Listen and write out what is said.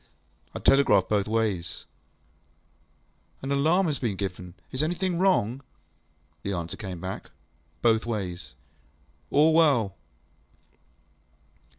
I telegraphed both ways, ŌĆśAn alarm has been given. Is anything wrong? ŌĆÖ The answer came back, both ways, ŌĆśAll well.